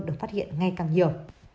được phát hiện ngày càng nhiều